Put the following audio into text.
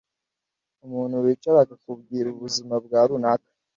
Umuntu wicara akakubwira ubuzima bwa runaka